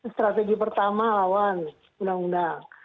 strategi pertama lawan undang undang